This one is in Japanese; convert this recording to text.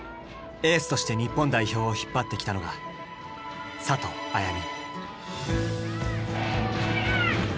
エースとして日本代表を引っ張ってきたのが里綾実。